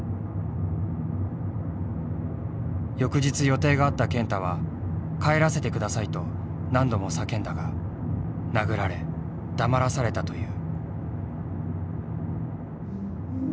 翌日予定があった健太は帰らせてくださいと何度も叫んだが殴られ黙らされたという。